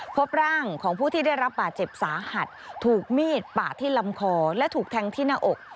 พบร่างของผู้ที่ได้รับบาดเจ็บสาหัสถูกมีดปาดที่ลำคอและถูกแทงที่หน้าอก